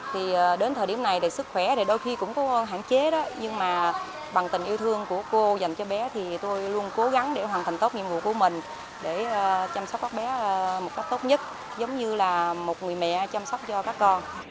thì đến thời điểm này thì sức khỏe thì đôi khi cũng có hạn chế đó nhưng mà bằng tình yêu thương của cô dành cho bé thì tôi luôn cố gắng để hoàn thành tốt nhiệm vụ của mình để chăm sóc các bé một cách tốt nhất giống như là một người mẹ chăm sóc cho các con